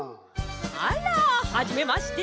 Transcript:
あらはじめまして。